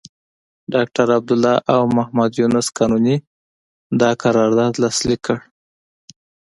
ډاکټر عبدالله او محمد یونس قانوني دا قرارداد لاسليک کړ.